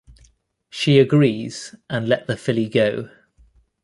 She agrees to let the filly go.